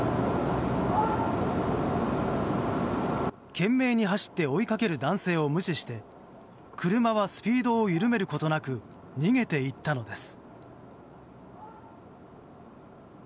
懸命に走って追いかける男性を無視して車はスピードを緩めることなく逃げていったのです。